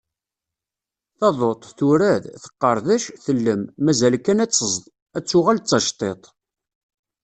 Taduḍt, turad; teqqerdec; tellem. Mazal kan ad tt-teẓḍ, ad tuɣal d tacettiḍt.